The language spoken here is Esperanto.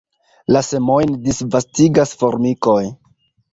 La semojn disvastigas formikoj.